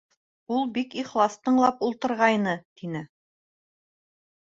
Ул бик ихлас тыңлап ултырғайны, — тине.